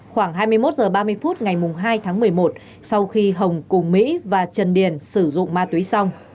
khoảng hai mươi một h ba mươi phút ngày hai tháng một mươi một sau khi hồng cùng mỹ và trần điền sử dụng ma túy xong